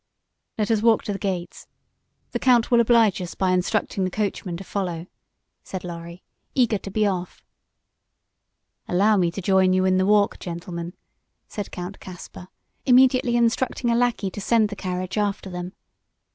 "Let us walk to the gates. The Count will oblige us by instructing the coachman to follow," said Lorry, eager to be off. "Allow me to join you in the walk, gentlemen," said Count Caspar, immediately instructing a lackey to send the carriage after them.